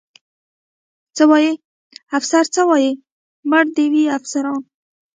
څه وایي؟ افسر څه وایي؟ مړه دې وي افسران.